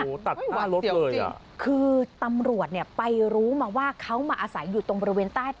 โอ้โหตัดหน้ารถเลยอ่ะคือตำรวจเนี่ยไปรู้มาว่าเขามาอาศัยอยู่ตรงบริเวณใต้